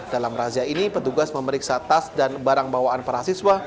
dalam razia ini petugas memeriksa tas dan barang bawaan para siswa